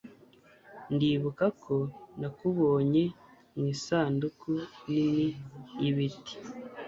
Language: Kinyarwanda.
ndibuka ko nakubonye mu isanduku nini y'ibiti